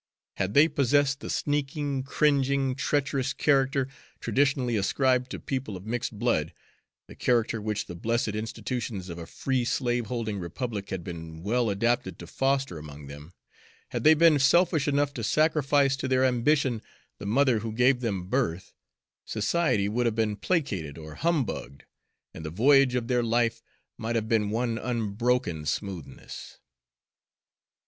Had they possessed the sneaking, cringing, treacherous character traditionally ascribed to people of mixed blood the character which the blessed institutions of a free slave holding republic had been well adapted to foster among them; had they been selfish enough to sacrifice to their ambition the mother who gave them birth, society would have been placated or humbugged, and the voyage of their life might have been one of unbroken smoothness.